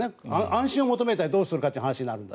安心を求めるにはどうするかという話で。